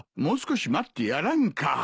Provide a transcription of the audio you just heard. もう少し待ってやらんか。